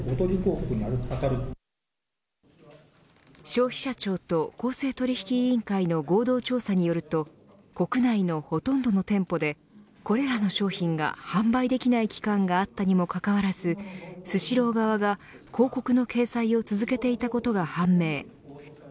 消費者庁と公正取引委員会の合同調査によると国内のほとんどの店舗でこれらの商品が販売できない期間があったにもかかわらずスシロー側が広告の掲載を続けていたことが判明。